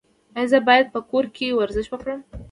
ایا زه باید په کور کې ورزش وکړم؟